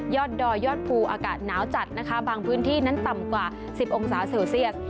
ดอยยอดภูอากาศหนาวจัดนะคะบางพื้นที่นั้นต่ำกว่า๑๐องศาเซลเซียส